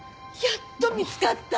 やっと見つかった！